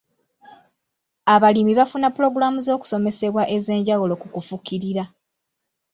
Abalimi bafuna pulogulaamu z'okusomesebwa ez'enjawulo ku kufukirira.